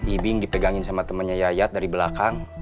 ibing dipegangin sama temannya yayat dari belakang